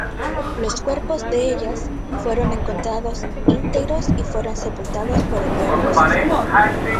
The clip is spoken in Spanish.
Los cuerpos de ellas fueron encontrados íntegros y fueron sepultados por el diácono Cesario.